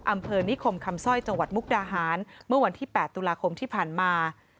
อำเภอนิคมคำสร้อยจังหวัดมุกดาหารเมื่อวันที่๘ตุลาคมที่ผ่านมา